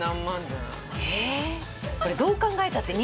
どう考えたって。